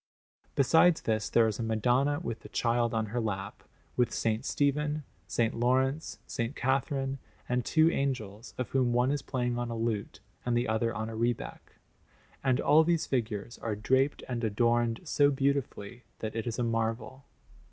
Besides this, there is a Madonna with the Child on her lap, with S. Stephen, S. Laurence, S. Catherine, and two angels, of whom one is playing on a lute and the other on a rebec; and all these figures are draped and adorned so beautifully that it is a marvel.